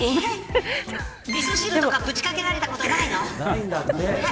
みそ汁とかぶちかけらたことないの。